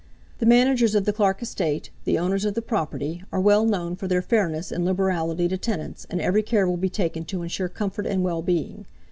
The managers of the Clark estate, the owners of the property, are well known for their fairness and liberality to tenants, and every care will be taken to insure comfort and wellbeing.